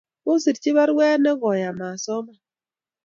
Kosirchi baruet ne koi amasoman